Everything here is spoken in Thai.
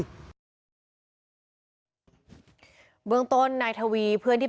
พวกมันต้องกินกันพี่